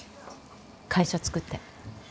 会社作って。